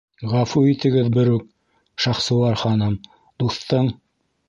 — Ғәфү итегеҙ, берүк, Шахсуар ханым, дуҫтың...